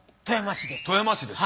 富山市です。